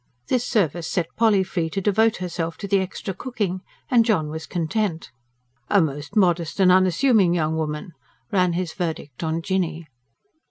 This service set Polly free to devote herself to the extra cooking; and John was content. "A most modest and unassuming young woman," ran his verdict on Jinny.